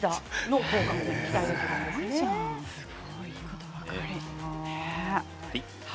いいことばかり。